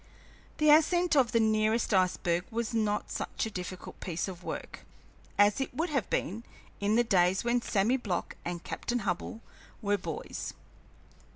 The ascent of the nearest iceberg was not such a difficult piece of work as it would have been in the days when Sammy Block and Captain Hubbell were boys.